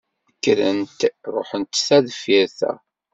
Kkrent ruḥen ta deffir ta.